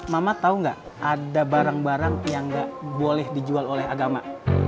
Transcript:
mama tau gak ada barang barang yang gak boleh dijual oleh agama